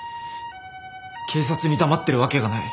警察に黙ってるわけがない。